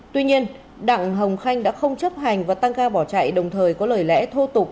tuy nhiên đặng hồng khanh đã không chấp hành và tăng ga bỏ chạy đồng thời có lời lẽ thô tục